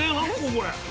これ。